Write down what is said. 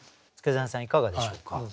祐真さんいかがでしょうか？